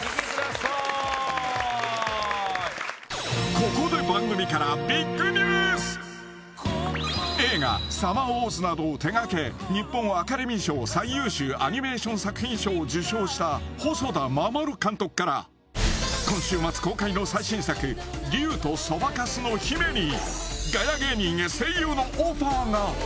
ここで番組から映画『サマーウォーズ』などを手掛け日本アカデミー賞最優秀アニメーション作品賞を受賞した細田守監督から今週末公開の最新作『竜とそばかすの姫』に虹。